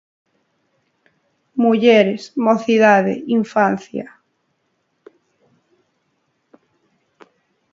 Mulleres, mocidade, infancia.